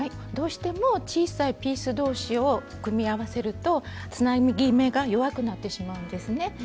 どうしても小さいピースどうしを組み合わせるとつなぎ目が弱くなってしまうんですね。